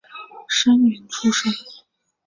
生员出身。